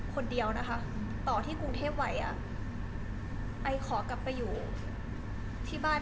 คนเดียวนะคะต่อที่กรุงเทพไหวอ่ะไอขอกลับไปอยู่ที่บ้าน